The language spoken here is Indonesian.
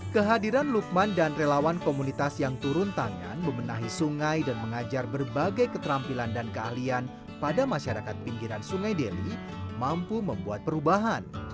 kehadiran lukman dan relawan komunitas yang turun tangan memenahi sungai dan mengajar berbagai keterampilan dan keahlian pada masyarakat pinggiran sungai deli mampu membuat perubahan